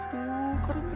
aduh keren nih